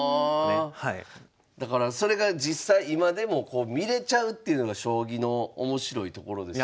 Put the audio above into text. だからそれが実際今でも見れちゃうというのが将棋の面白いところですよね。